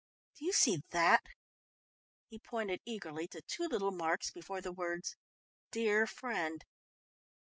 "Do you see that?" He pointed eagerly to two little marks before the words "Dear friend."